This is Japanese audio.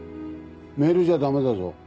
メールじゃダメだぞ。